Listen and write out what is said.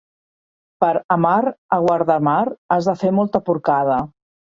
Per amar a Guardamar has de fer molta porcada.